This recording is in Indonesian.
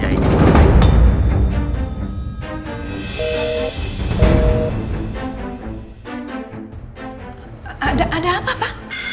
pak ada apa